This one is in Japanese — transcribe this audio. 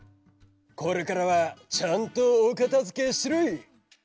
これからはちゃんとおかたづけしろい！